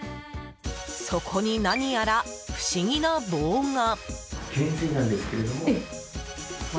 そこに何やら不思議な棒が。